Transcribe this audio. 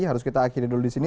harus kita akhiri dulu di sini